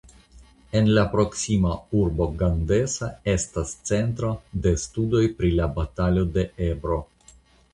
En la proksima urbo Gandesa estas Centro de Studoj pri la Batalo de Ebro.